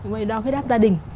máy đo huyết áp gia đình